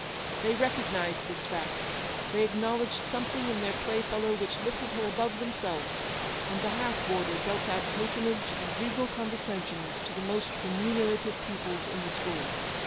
They recognised this fact, they ac knowledged something in their playfellow which lifted her above themselves, and the half boarder dealt out patronage and regal condescensions to the most remunerative pupils in the school.